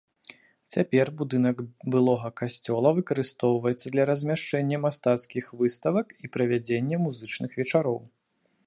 Цяпер будынак былога касцёла выкарыстоўваецца для размяшчэння мастацкіх выставак і правядзення музычных вечароў.